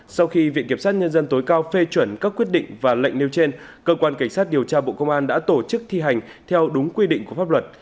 sau khi viện kiểm sát nhân dân tối cao phê chuẩn các quyết định và lệnh nêu trên cơ quan cảnh sát điều tra bộ công an đã tổ chức thi hành theo đúng quy định của pháp luật